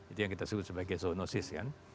itu yang kita sebut sebagai zoonosis kan